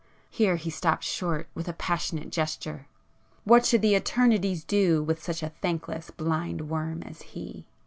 —here he stopped short with a passionate gesture—"What should the Eternities do with such a thankless, blind worm as he!"